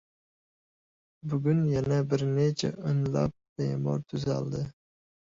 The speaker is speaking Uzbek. Bugun yana bir necha o‘nlab bemor tuzaldi